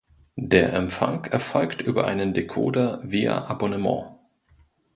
Der Empfang erfolgt über einen Decoder via Abonnement.